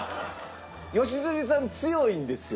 良純さん強いんですよ。